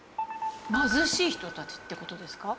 貧しい人たちって事ですか？